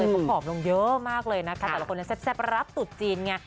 เขาผอมลงเยอะมากเลยนะคะแต่ละคนแซ่บรับตุ๊จีนไง